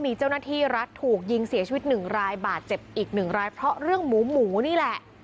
มีเจ้าหน้าที่รัฐถูกยิงเสียชีวิตหนึ่งรายบาดเจ็บอีกหนึ่งรายเพราะเรื่องหมูหมูนี่แหละ